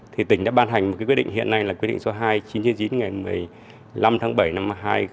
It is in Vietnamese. thì tỉnh đã ban hành một quyết định hiện nay là quyết định số hai chín chín ngày một mươi năm tháng bảy năm hai nghìn một mươi năm